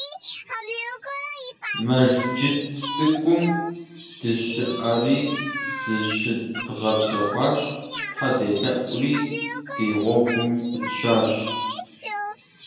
Мэжджыт цӀыкӀум дыщӀыхьэри зыщыдгъэпсэхуащ, Тхьэ делъэӏури ди гъуэгум пытщащ.